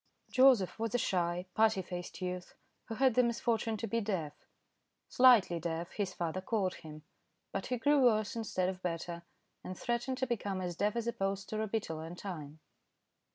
Joseph was a shy, putty faced youth, who had the misfortune to be deaf. "Slightly deaf," his father called him, but he grew worse instead of better, and threatened to become as deaf as a post or a beetle in time.